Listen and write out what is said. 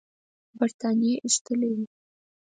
برټانیې ایستل وو.